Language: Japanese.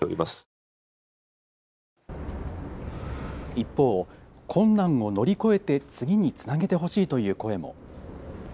一方、困難を乗り越えて次につなげてほしいという声も。